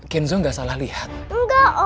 kenzo gak salah juga aku ketemu dia di bandung ini kan